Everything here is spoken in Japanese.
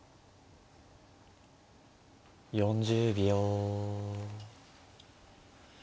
４０秒。